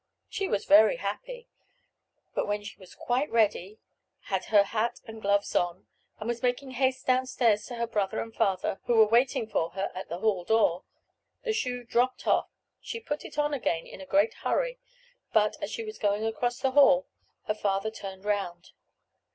She was very happy; but, when she was quite ready, had her hat and gloves on, and was making haste downstairs to her brother and father, who were waiting for her at the hall door, the shoe dropped off. She put it on again in a great hurry, but, as she was going across the hall, her father turned round.